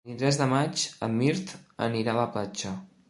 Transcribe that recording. El vint-i-tres de maig en Mirt anirà a la platja.